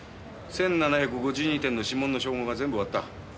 １７５２点の指紋の照合が全部終わった。